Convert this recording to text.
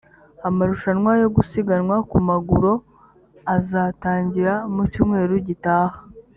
amarushanwa yo gusiganwa ku maguro azatangira mu cyumweru gitaha